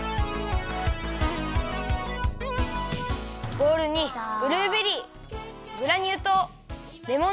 ボウルにブルーベリーグラニューとうレモン